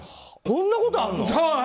こんなことあるの？